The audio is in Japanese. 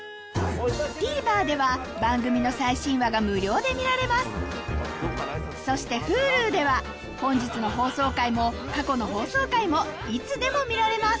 ＴＶｅｒでは番組の最新話が無料で見られますそしてＨｕｌｕでは本日の放送回も過去の放送回もいつでも見られます